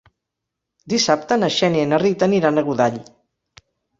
Dissabte na Xènia i na Rita aniran a Godall.